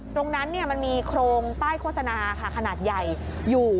ตรงนั้นมันมีโครงป้ายโฆษณาขนาดใหญ่อยู่